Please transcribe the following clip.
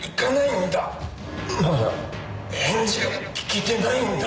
まだ返事を聞けてないんだ。